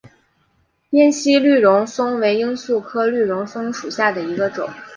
滇西绿绒蒿为罂粟科绿绒蒿属下的一个种。